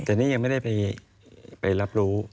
แต่นี่ยังไม่ได้ไปรับรู้